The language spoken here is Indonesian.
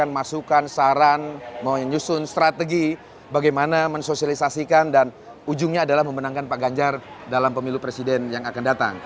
masukan saran mau nyusun strategi bagaimana mensosialisasikan dan ujungnya adalah memenangkan pak ganjar dalam pemilu presiden yang akan datang